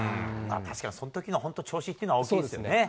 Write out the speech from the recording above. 確かに、そのときの本当、調子というのは大きいですよね。